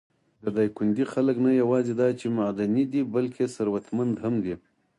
د دايکندي خلک نه یواځې دا چې معدني دي، بلکې ثروتمنده هم دي.